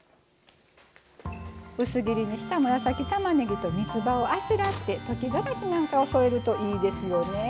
薄切りにした紫たまねぎとみつばをあしらって溶きがらしなんかを添えるといいですよね。